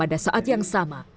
pada saat yang sama